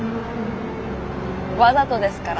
わざとですから。